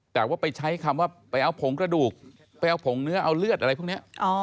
แต่ว่าไปใช้คำว่าไปเอาผงกระดูกไปเอาผงเนื้อเอาเลือดอะไรพวกนี้